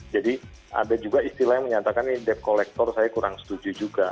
jadi ada juga istilah yang menyatakan ini debt collector saya kurang setuju juga